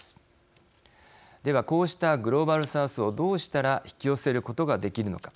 ではこうしたグローバル・サウスをどうしたら引き寄せることができるのか。